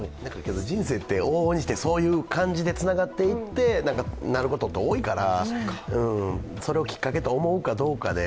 人生って往々にしてそういう感じでつながっていってなることって多いから、それをきっかけと思うかどうかで。